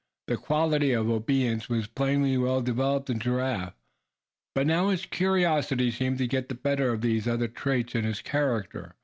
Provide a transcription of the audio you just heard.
The quality of obedience was plainly well developed in Giraffe. But now his curiosity seemed to get the better of these other traits in his character.